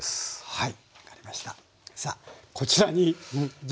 はい。